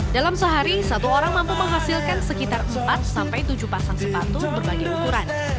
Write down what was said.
dalam sehari satu orang mampu menghasilkan sekitar empat sampai tujuh pasang sepatu berbagai ukuran